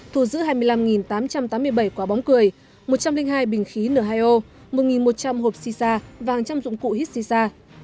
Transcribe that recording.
thù giữ hai mươi năm tám trăm tám mươi bảy quả bóng cười một trăm linh hai bình khí n hai o một một trăm linh hộp xì xa và hàng trăm dụng cụ hít xì xa